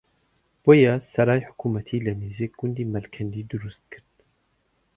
بۆیە سەرای حکومەتی لە نزیک گوندی مەڵکەندی دروستکرد